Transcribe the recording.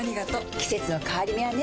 季節の変わり目はねうん。